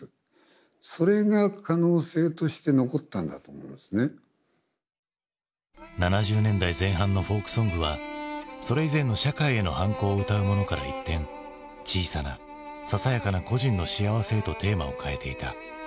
そういう７０年代前半のフォークソングはそれ以前の社会への反抗を歌うものから一転小さなささやかな個人の幸せへとテーマを変えていた。